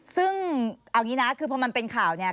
ซึ่งเอางี้นะคือพอมันเป็นข่าวเนี่ย